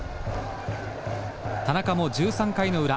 田中も１３回の裏。